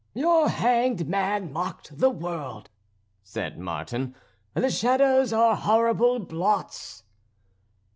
"Your hanged man mocked the world," said Martin. "The shadows are horrible blots."